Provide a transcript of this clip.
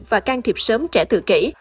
và can thiệp sớm trẻ tự kỷ